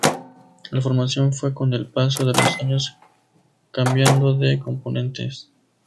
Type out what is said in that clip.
La formación fue con el paso de los años cambiando de componentes.